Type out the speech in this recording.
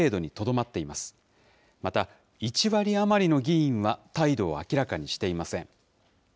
また、１割余りの議員は態度を明らかにしていません。